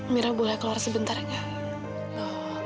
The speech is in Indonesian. mira boleh keluar sebentar gak